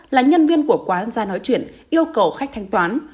là nhân viên của quán ra nói chuyện yêu cầu khách thanh toán